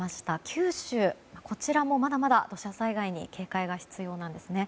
九州、こちらもまだまだ土砂災害に警戒が必要なんです。